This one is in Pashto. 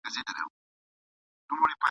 په کوهي کي لاندي څه کړې بې وطنه ..